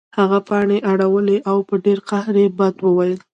هغه پاڼې اړولې او په ډیر قهر یې بد ویل